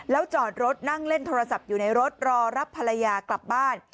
แล้วจอดรถนั่งเล่นโทรศัพท์อยู่ในรถรอรับภรรยากลับบ้าน